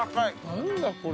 何だこれ。